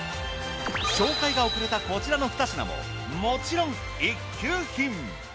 紹介が遅れたこちらの２品ももちろん一級品。